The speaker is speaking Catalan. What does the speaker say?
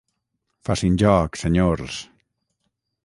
Facin joc, senyors.